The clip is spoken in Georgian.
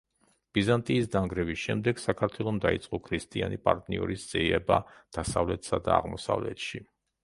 ბიზანტიის დანგრევის შემდეგ საქართველომ დაიწყო ქრისტიანი პარტნიორის ძიება დასავლეთსა და აღმოსავლეთში.